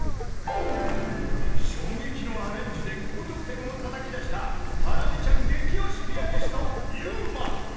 ［衝撃のアレンジで高得点をたたき出したハラミちゃん激推しピアニストｙｕｍａ］